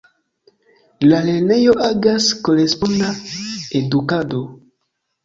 La lernejo agas koresponda edukado.